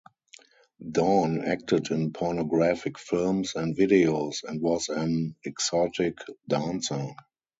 Dawn acted in pornographic films and videos, and was an exotic dancer.